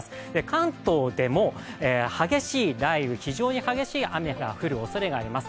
関東でも、激しい雷雨、非常に激しい雨が降るおそれがあります。